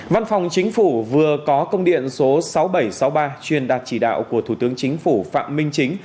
văn phòng chính phủ vừa có công điện số sáu nghìn bảy trăm sáu mươi ba truyền đạt chỉ đạo của thủ tướng chính phủ phạm minh chính